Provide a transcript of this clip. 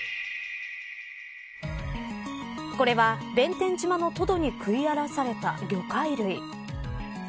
これは弁天島のトドに食い荒らされた魚介類。